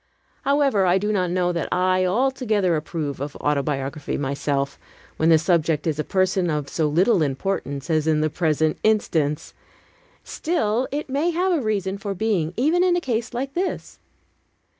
However, I do not know that I altogether approve of autobiography myself, when the subject is a person of so little importance as in the present instance. Still, it may have a reason for being, even in a case like this.